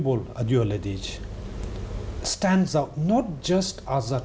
แห่งภาพธิตรและเช่นกับพนธุรกิจสหรัฐ